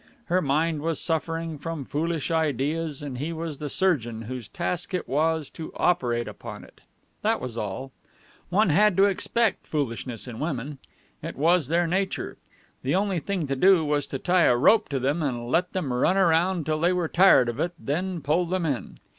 Her mind was suffering from foolish ideas, and he was the surgeon whose task it was to operate upon it. That was all. One had to expect foolishness in women. It was their nature. The only thing to do was to tie a rope to them and let them run around till they were tired of it, then pull them in.